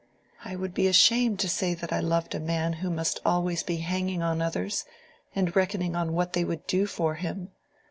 "I should be ashamed to say that I loved a man who must always be hanging on others, and reckoning on what they would do for him.